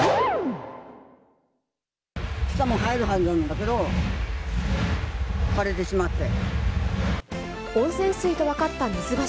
草も生えるはずなんだけど、枯れてしまって。